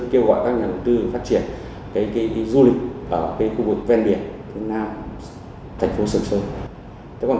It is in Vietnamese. kêu gọi các nhà đầu tư phát triển du lịch ở khu vực ven biển phía nam thành phố sầm sơn